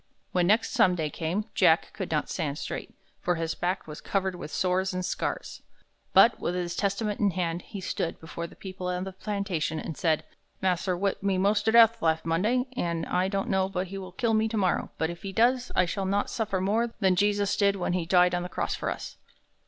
When next Sunday came, Jack could not stand straight, for his back was covered with sores and scars. But, with his Testament in his hand, he stood before the people of the plantation, and said, "Mas'r whip me mos' ter death last Monday, an' I don't know but he will kill me tomorrow, but if he does, I shall not suffer more than Jesus did when he died on the cross for us."